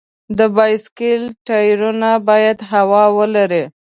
د بایسکل ټایرونه باید هوا ولري.